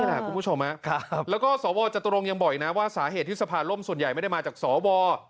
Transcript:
นี่แหละคุณผู้ชมนะครับแล้วก็สวจตรงยังบ่อยนะว่าสาเหตุที่สภาลร่มส่วนใหญ่ไม่ได้มาจากสว